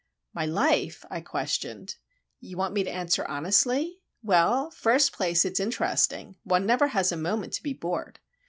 "My life?" I questioned. "You want me to answer honestly? Well, first place, it's interesting; one never has a moment to be bored.